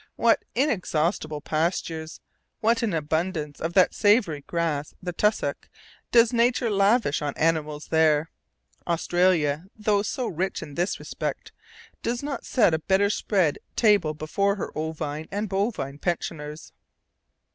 What inexhaustible pastures, what an abundance of that savoury grass, the tussock, does nature lavish on animals there! Australia, though so rich in this respect, does not set a better spread table before her ovine and bovine pensioners.